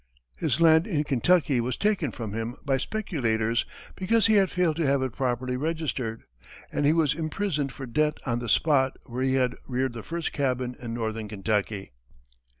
His land in Kentucky was taken from him by speculators because he had failed to have it properly registered, and he was imprisoned for debt on the spot where he had reared the first cabin in northern Kentucky.